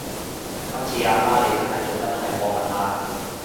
今次阿媽你真係做得太過份喇